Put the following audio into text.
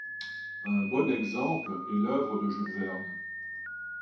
Un bon exemple est l'œuvre de Jules Verne.